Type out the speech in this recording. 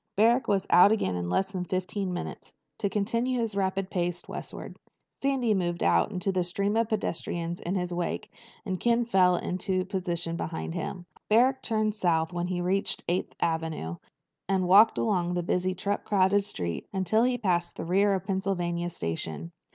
Barrack was out again in less than fifteen minutes, to continue his rapid pace westward. Sandy moved out into the stream of pedestrians in his wake, and Ken fell into position behind him. Barrack turned south when he reached Eighth Avenue and walked along that busy truck crowded street until he had passed the rear of Pennsylvania Station.